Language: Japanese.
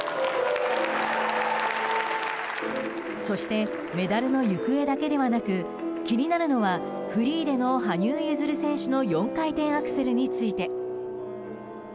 そしてメダルの行方だけではなく気になるのは、フリーでの羽生結弦選手の４回転アクセルについて。